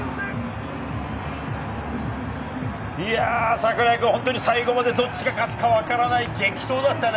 櫻井くん、本当に最後まで、どちらが勝つかわからない激闘だったね。